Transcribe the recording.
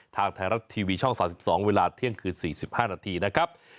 ทางไทยรัฐทีวีช่อง๓๒เวลาเที่ยงคืน๔๕นาทีนะครับ